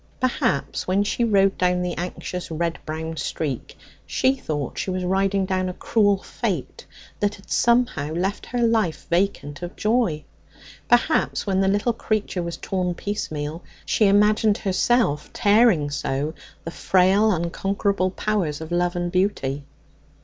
Perhaps, when she rode down the anxious red brown streak, she thought she was riding down a cruel fate that had somehow left her life vacant of joy; perhaps, when the little creature was torn piece meal, she imagined herself tearing so the frail unconquerable powers of love and beauty.